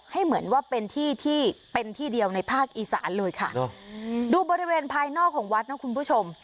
เหมือนว่าเป็นที่ที่เป็นที่เดียวในภาคอีสานเลยค่ะเนอะดูบริเวณภายนอกของวัดนะคุณผู้ชม